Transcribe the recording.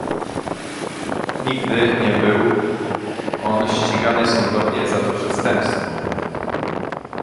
Nigdy nie był on ścigany sądownie za to przestępstwo